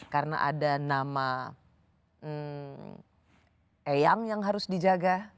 karena ada nama eyang yang harus dijaga